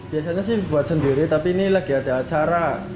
biasanya sih buat sendiri tapi ini lagi ada acara